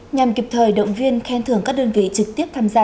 nhằm kịp thời động viên khen thưởng các đơn vị trực tiếp tham gia